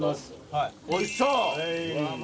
おいしそう！